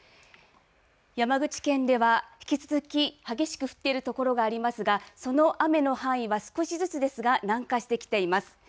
山口県では引き続き激しく降っている所がありますがその雨の範囲は少しずつですが南下してきています。